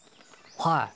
はい。